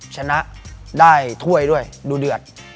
ชนะได้ถ้วยด้วยดูเดือด